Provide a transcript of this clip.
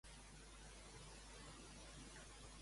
Qui li va donar el nom d'Ea?